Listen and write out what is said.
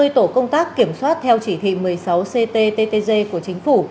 ba mươi tổ công tác kiểm soát theo chỉ thị một mươi sáu ctttg của chính phủ